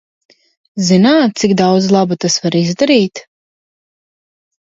Zināt, cik daudz laba tas var izdarīt?